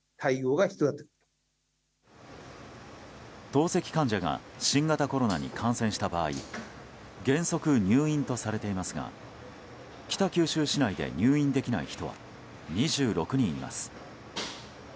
透析患者が新型コロナに感染した場合原則入院とされていますが北九州市内で入院できない人は２６人います。